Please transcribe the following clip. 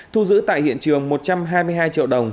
thu giữ tại hiện trường một trăm hai mươi hai triệu đồng